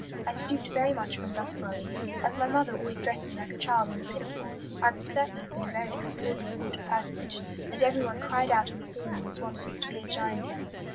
I stooped very much when thus growing. As my mother always dressed me like a child in a pinafore, I must certainly have been a very extraordinary sort of personage, and everyone cried out on seeing me as one that was to be a giantess.